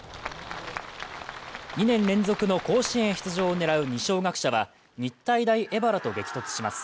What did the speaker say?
２年連続の甲子園出場を狙う二松学舎は日体大荏原と激突します。